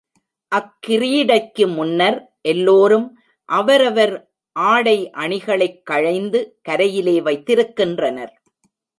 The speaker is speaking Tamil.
அக்கிரீடைக்கு முன்னர் எல்லோரும் அவரவர் ஆடை அணிகளைக் களைந்து கரையிலே வைத்திருக்கின்றனர்.